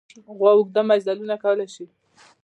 غوا اوږده مزلونه کولی شي.